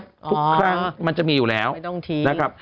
ทุกครั้งมันจะมีอยู่แล้วไม่ต้องทิ้ง